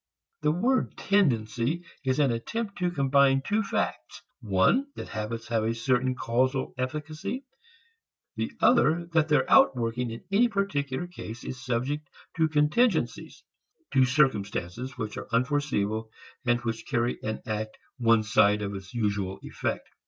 The word "tendency" is an attempt to combine two facts, one that habits have a certain causal efficacy, the other that their outworking in any particular case is subject to contingencies, to circumstances which are unforeseeable and which carry an act one side of its usual effect.